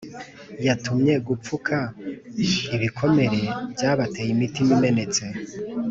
Yantumye gupfuka ibikomere by aba te imitima imenetse